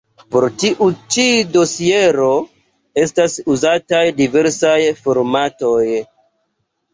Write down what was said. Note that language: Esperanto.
Por tiu ĉi dosiero estas uzataj diversaj formatoj.